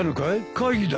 会議だろ？